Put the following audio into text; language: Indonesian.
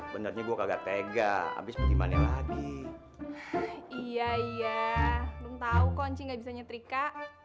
benernya gua kagak tega habis gimana lagi iya iya belum tahu koncingnya bisa nyetrika